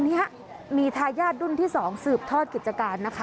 นี้มีทายาทรุ่นที่๒สืบทอดกิจการนะคะ